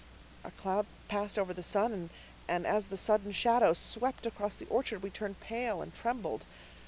A cloud passed over the sun and as the sudden shadow swept across the orchard we turned pale and trembled.